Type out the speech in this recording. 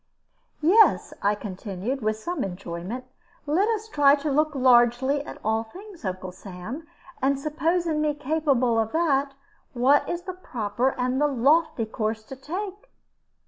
"Yes," I continued, with some enjoyment, "let us try to look largely at all things, Uncle Sam. And supposing me capable of that, what is the proper and the lofty course to take?"